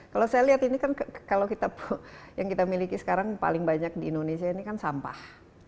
kalau saya lihat ini kan kalau kita yang kita miliki sekarang paling banyak di indonesia ini kan sampah